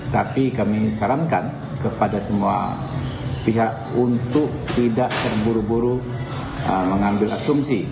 tapi kami sarankan kepada semua pihak untuk tidak terburu buru mengambil asumsi